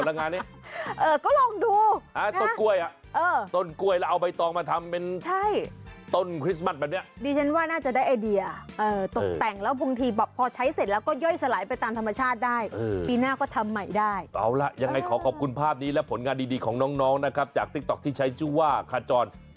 เนี่ยแล้วมากับแมวเนี่ยด้วยความที่ว่ามันดังมากในโซเชียร์